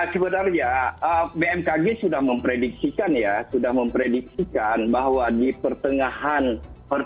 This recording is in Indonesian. sebenarnya bmkg sudah memprediksikan ya sudah memprediksikan bahwa di pertengahan pertama